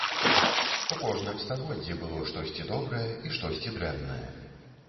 У кожным стагоддзі было штосьці добрае і штосьці дрэннае.